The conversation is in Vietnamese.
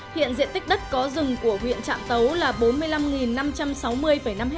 hiện diện tích đất có rừng của huyện trạm tấu là bốn mươi năm năm trăm sáu mươi năm ha